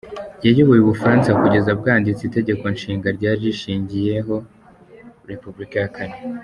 Yayoboye u Bufaransa kugeza bwanditse Itegeko Nshinga ryari rishingiyeho Repubulika ya Kane.